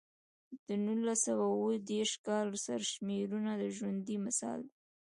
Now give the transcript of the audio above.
د نولس سوه اووه دېرش کال سرشمېرنه ژوندی مثال دی.